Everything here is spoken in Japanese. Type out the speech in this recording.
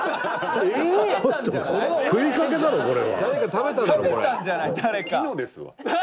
誰か食べただろこれ。